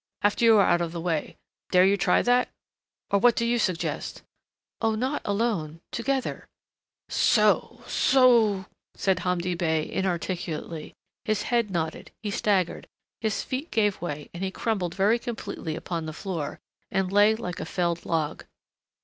After you are out of the way. Dare you try that? Or what do you suggest?" "Oh, not alone. Together " "So so " said Hamdi Bey inarticulately, his head nodded, he staggered, his knees gave way and he crumpled very completely upon the floor, and lay like a felled log.